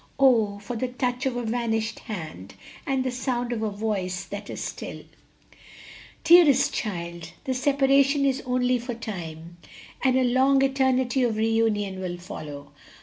"'Oh, for the touch of a vanished hand, And the sound of a voice that is still!" "Dearest child!" he said tenderly, "the separation is only for time, and a long eternity of reunion will follow.